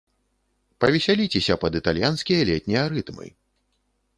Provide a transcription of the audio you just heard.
Павесяліцеся пад італьянскія летнія рытмы!